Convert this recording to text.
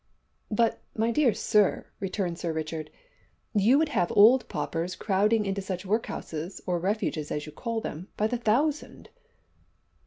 '" "But, my dear sir," returned Sir Richard, "you would have old paupers crowding into such workhouses, or refuges as you call them, by the thousand."